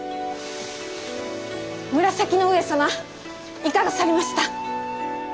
紫の上様いかがされました？